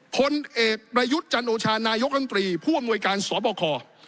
คนเอกประยุจรรย์โอชานายกังตรีผู้อำนวยการสวบออกคอร์